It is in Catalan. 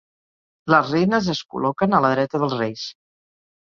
Les reines es col·loquen a la dreta dels reis.